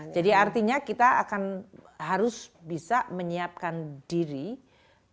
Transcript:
jadi artinya kita akan harus bisa menyiapkan diri bahwa kondisi yang volatile dan hostile